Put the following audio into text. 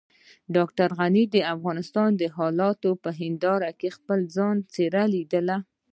ډاکټر غني د افغانستان د حالاتو په هنداره کې خپله څېره وليده.